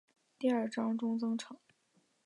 第二章中登场。